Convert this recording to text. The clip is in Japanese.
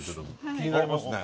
気になりますね。